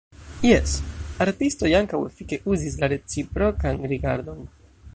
Jes, artistoj ankaŭ efike uzis la reciprokan rigardon.